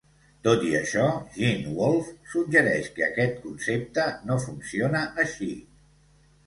Tot i això, Gene Wolfe suggereix que aquest concepte no funciona així.